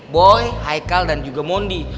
boy haikal dan juga mondi